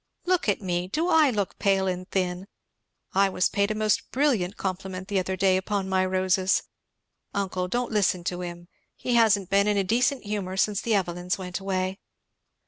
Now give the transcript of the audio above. Look at me! do I look pale and thin? I was paid a most brilliant compliment the other day upon my roses Uncle, don't listen to him! he hasn't been in a decent humour since the Evelyns went away."